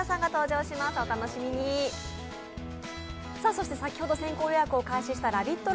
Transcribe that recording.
そして先ほど先行予約を開始したＬＯＶＥＩＴ！